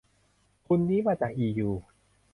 ทุนนี้มาจากอียู